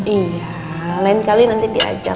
iya lain kali nanti diajak